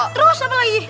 terus apa lagi